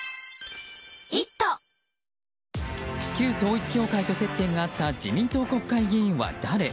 旧統一教会と接点があった自民党国会議員は誰？